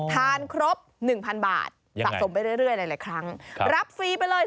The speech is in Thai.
ทานครบ๑๐๐บาทสะสมไปเรื่อยหลายครั้งรับฟรีไปเลย